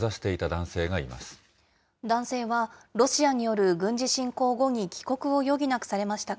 男性は、ロシアによる軍事侵攻後に帰国を余儀なくされました